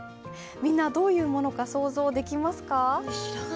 みんなどういうものか想像できますか？